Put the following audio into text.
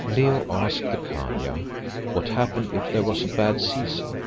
Leo asked the Khania what happened if there was a bad season.